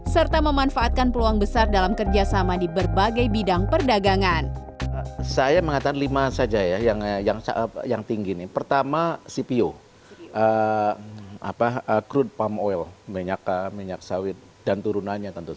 serta memanfaatkan peluang besar dalam kerjasama di berbagai bidang perdagangan